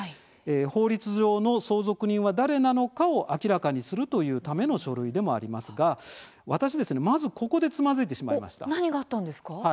法律上の相続人は誰なのかを明らかにするというための書類でもありますが私ですね、まずここで何があったんですか？